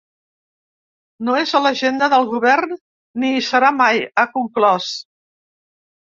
No és a l’agenda del govern ni hi serà mai, ha conclòs.